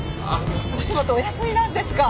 お仕事お休みなんですか？